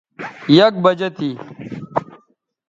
یک بجہ تھی